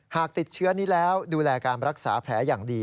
หากติดเชื้อนี้แล้วดูแลการรักษาแผลอย่างดี